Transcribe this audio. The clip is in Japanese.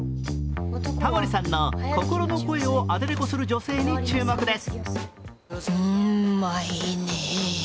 タモリさんの心の声をアテレコする女性に注目です。